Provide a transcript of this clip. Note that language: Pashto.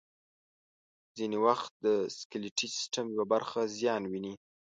ځینې وخت د سکلیټي سیستم یوه برخه زیان ویني.